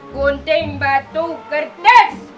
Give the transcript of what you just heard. gunting batu kertas